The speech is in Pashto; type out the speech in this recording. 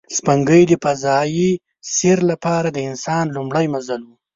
سپوږمۍ د فضایي سیر لپاره د انسان لومړی منزل و